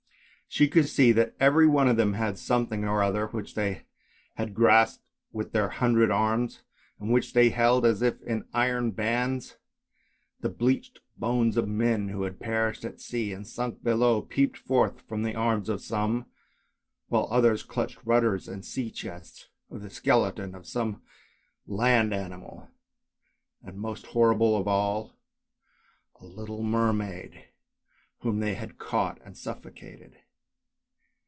She could see that every one of them had something or other, which they had grasped with their hundred arms, and which they held as if in iron bands. The bleached bones of men who had perished at sea and sunk below peeped forth from the arms of some, while others clutched rudders and sea chests, or the skeleton of some land animal; and most horrible of all, a little mermaid whom they had caught and suffocated.